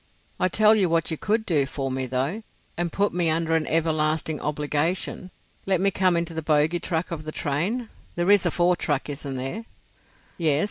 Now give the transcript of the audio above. I tell you what you could do for me, though, and put me under an everlasting obligation. Let me come into the bogie truck of the train. There is a fore truck, isn't there?" "Yes.